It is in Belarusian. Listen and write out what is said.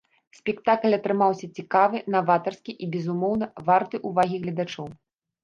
Спектакль атрымаўся цікавы, наватарскі і, безумоўна, варты ўвагі гледачоў.